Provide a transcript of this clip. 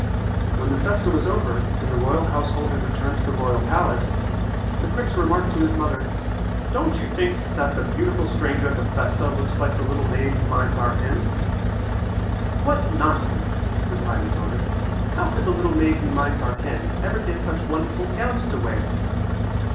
When the festa was over and the royal household had returned to the royal palace, the prince remarked to his mother, "Don't you think that the beautiful stranger at the festa looks like the little maid who minds our hens?" "What nonsense," replied his mother. "How could the little maid who minds our hens ever get such wonderful gowns to wear?"